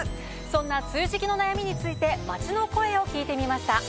そんな梅雨時期の悩みについて街の声を聞いてみました。